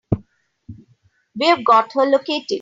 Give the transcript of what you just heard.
We've got her located.